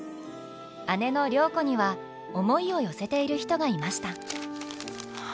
姉の良子には思いを寄せている人がいました。